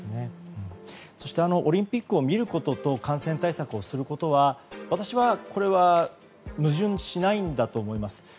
そしてオリンピックを見ることと感染対策をすることは私は矛盾しないんだと思います。